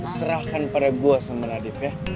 serahkan pada gue sama nadif ya